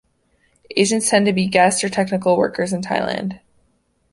Asians tend to be guest or technical workers in Thailand.